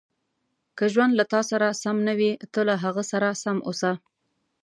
• که ژوند له تا سره سم نه وي، ته له هغه سره سم اوسه.